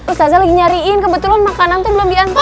ustazah lagi nyariin kebetulan makanan tuh belum dianturin